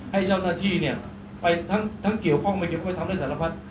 ให้เจ้าหน้าที่เนี่ยทั้งเกี่ยวข้องกับเกี่ยวไม่ทำได้สารพัฒน์